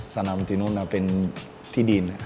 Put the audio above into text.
สนามที่นู่นเป็นที่ดิน